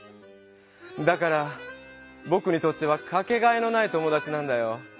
だからぼくにとってはかけがえのない友だちなんだよ。